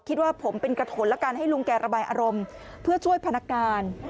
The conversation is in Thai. คิดว่าผมเป็นกระถนและการให้ลุงแกระบายอารมณ์เพื่อช่วยพนักงาน